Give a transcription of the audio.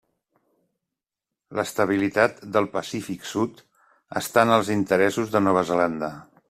L'estabilitat del Pacífic Sud està en els interessos de Nova Zelanda.